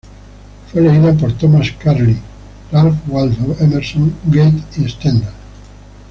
Fue leída por Thomas Carlyle, Ralph Waldo Emerson, Goethe y Stendhal.